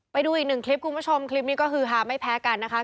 ไปดูอีกหนึ่งคลิปคุณผู้ชมคลิปนี้ก็คือฮาไม่แพ้กันนะคะ